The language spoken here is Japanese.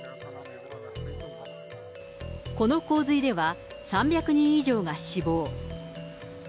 この洪水では、３００人以上が死亡。